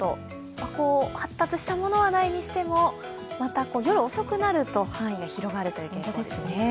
発達したものはないにしても、夜遅くなると範囲が広がるという傾向が。